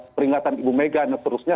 peringatan ibu mega dan seterusnya